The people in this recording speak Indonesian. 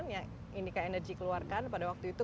yang indica energy keluarkan pada waktu itu